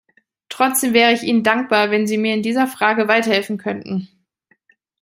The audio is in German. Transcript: Trotzdem wäre ich Ihnen dankbar, wenn Sie mir in dieser Frage weiterhelfen könnten.